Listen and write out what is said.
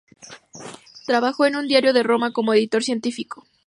Trabajó en un diario de Roma como editor científico.